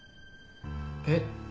えっ？